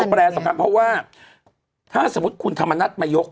แปรสำคัญเพราะว่าถ้าสมมุติคุณธรรมนัฐมายก